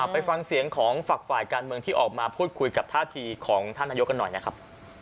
ไปฟังเสียงของฝักฝ่ายการเมืองที่ออกมาพูดคุยกับท่าทีของท่านนายกกันหน่อยนะครับ